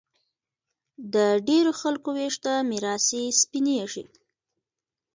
د ډېرو خلکو ویښته میراثي سپینېږي